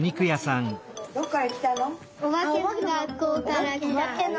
どっからきたの？